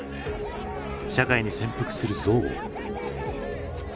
社会に潜伏する憎悪。